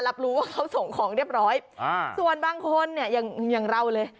รับรู้ว่าเขาส่งของเรียบร้อยอ่าส่วนบางคนเนี่ยอย่างอย่างเราเลย